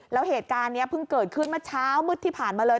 แล้วเหตุการณ์นี้เพิ่งเกิดขึ้นเมื่อเช้ามืดที่ผ่านมาเลย